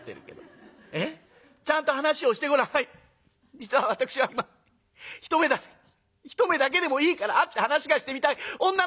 実は私は今一目だけ一目だけでもいいから会って話がしてみたい女の人がいるんです」。